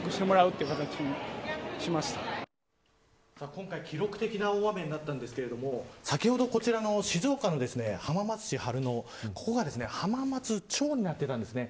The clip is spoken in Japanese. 今回、記録的な大雨になったんですけれども先ほど、こちらの静岡の浜松市春野ここが浜松町になってたんですね。